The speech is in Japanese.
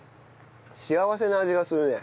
幸せな味がするね。